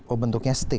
oh bentuknya stick